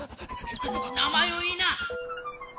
名前を言いな！